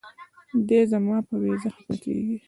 دے زما پۀ وېزه خفه کيږي